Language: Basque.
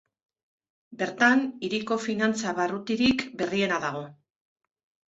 Bertan, hiriko finantza barrutirik berriena dago.